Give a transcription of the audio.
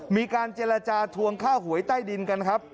มีการเจรจาทวงค่าหวยใต้ดินกันครับ